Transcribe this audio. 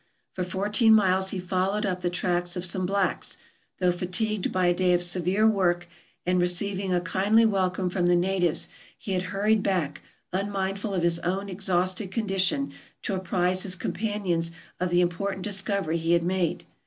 For fourteen miles he followed up the tracks of some blacks, though fatigued by a day of severe work, and, receiving a kindly welcome from the natives, he had hurried back, unmindful of his own exhausted condition, to apprise his companions of the important discovery he had made.